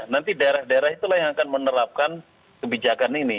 nanti daerah daerah itulah yang akan menerapkan kebijakan ini